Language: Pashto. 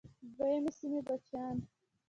د یوې سیمې بچیان.